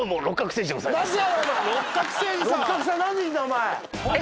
六角さん何でいるんだお前。